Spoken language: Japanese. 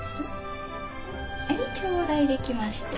はい頂戴できました。